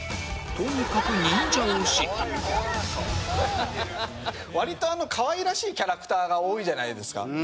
とにかく忍者押し割とかわいらしいキャラクターが多いじゃないですか。